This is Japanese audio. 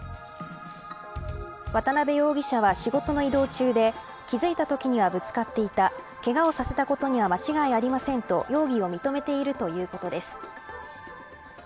渡辺容疑者は仕事の移動中で気づいたときにはぶつかっていたけがをさせたことには間違いありませんと容疑を認めているということです。